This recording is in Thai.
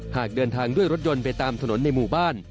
หากเดินทางด้วยรถยนต์ไปตามถนนในหมู่บ้าน